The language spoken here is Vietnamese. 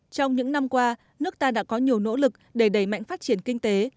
trong những năm qua nước ta đã có nhiều nỗ lực để đẩy mạnh phát triển kinh tế